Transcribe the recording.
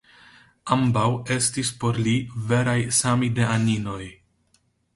Ambaŭ estis por li veraj samideaninoj.